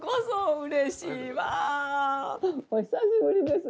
お久しぶりです。